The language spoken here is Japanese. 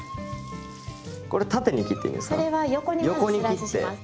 これ縦に切っていいんですか？